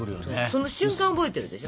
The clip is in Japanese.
その瞬間覚えてるでしょ？